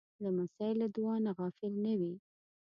لمسی له دعا نه غافل نه وي.